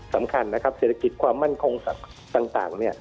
สำคัญนะครับเศรษฐกิจความมั่นคงต่างเนี่ย